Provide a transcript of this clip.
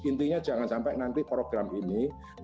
intinya jangan sampai nanti program ini